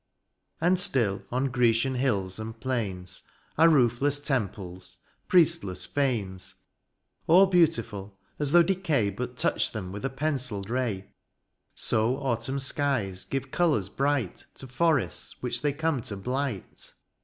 And still on Grecian hills and plains Are roofless temples, priestless Hemes, AU beautiful; as though decay But touched them with a pencilled ray : So autumn skies give colours bright To forests which they come to blight.